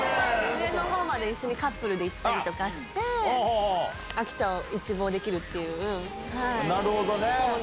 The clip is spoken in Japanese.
上のほうまで一緒にカップルで行ったりとかして、秋田を一望なるほどね。